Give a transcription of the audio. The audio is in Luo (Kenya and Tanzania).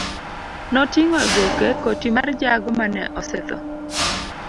Noting'o e goke koti mar jago mane osetho.